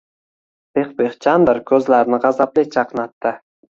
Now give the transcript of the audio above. Pixpix Chandr ko‘zlarini g‘azabli chaqnatdi: